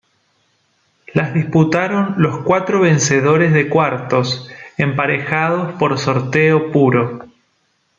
Las disputaron los cuatro vencedores de cuartos, emparejados por sorteo puro.